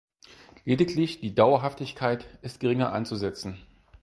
Lediglich die Dauerhaftigkeit ist geringer anzusetzen.